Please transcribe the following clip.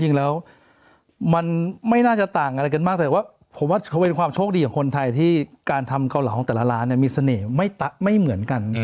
จริงแล้วมันไม่น่าจะต่างอะไรกันมากแต่ว่าผมว่าเขาเป็นความโชคดีของคนไทยที่การทำเกาเหลาของแต่ละร้านมีเสน่ห์ไม่เหมือนกัน